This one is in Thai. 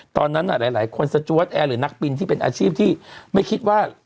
ตอนนั้นหลายคนสจวดแอร์หรือนักบินที่เป็นอาชีพที่ไม่คิดว่า